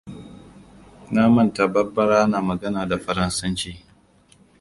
Na manta Barbara na magana da Faransanci.